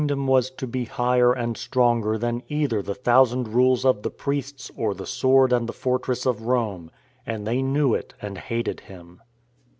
63 dom was to be higher and stronger than either the thousand rules of the priests, or the sword and the fortress of Rome — and they knew it and hated Him.